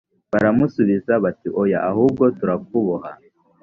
baramusubiza bati oya ahubwo turakuboha